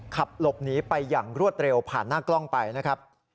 ขับหลบหนีไปอย่างรวดเร็วผ่านหน้ากล้องไปนะครับ